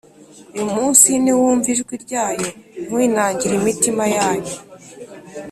Uyu munsi niwumva ijwi ryayo ntimwinangire imitima yanyu